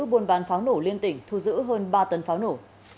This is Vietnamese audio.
buôn bán pháo nổ liên tỉnh thu giữ hơn ba tấn pháo nổ